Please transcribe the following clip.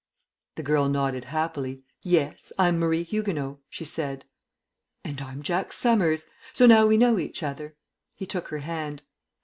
The girl nodded happily. "Yes, I'm Marie Huguenot!" she said. "And I'm Jack Summers; so now we know each other." He took her hand.